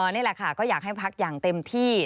นี่แหละค่ะก็อยากให้พักอย่างเต็มที่